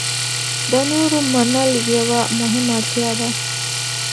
د نورو منل یوه مهمه اړتیا ده.